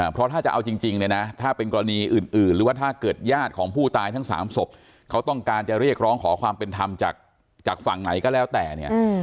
เพราะถ้าจะเอาจริงเนี่ยนะถ้าเป็นกรณีอื่นหรือว่าถ้าเกิดญาติของผู้ตายทั้ง๓ศพเขาต้องการจะเรียกร้องขอความเป็นธรรมจากฝั่งไหนก็แล้วแต่เนี่ย